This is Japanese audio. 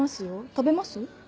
食べます？